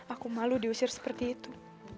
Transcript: aku malu diusir seperti itu